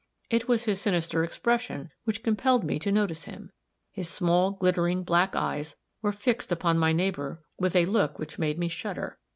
It was his sinister expression which compelled me to notice him. His small, glittering, black eyes were fixed upon my neighbor with a look which made me shudder.